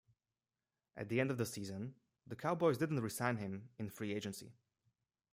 At the end of the season, the Cowboys didn't re-sign him in free agency.